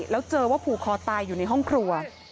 แล้วเจอว่าผูกคอตายอยู่ในห้องครัว